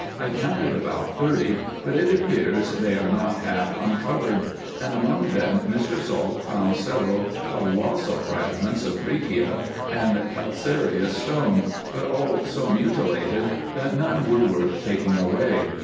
I counted about thirty, but it appears they are not half uncovered, and among them Mr. Salt found several colossal frag IN EGYPT, NUBIA, &c. 291 ments of breccia and calcareous stone, but all so mutilated, that none were worth taking away.